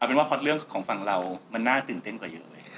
เป็นว่าเรื่องของฝั่งเรามันน่าตื่นเต้นกว่าเยอะ